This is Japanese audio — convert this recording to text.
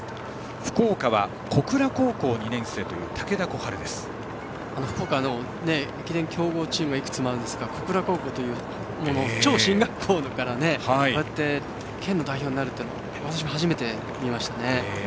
福岡は駅伝強豪チームがいくつもありますが小倉高校という超進学校からこうやって県の代表になるのは私も初めて見ましたね。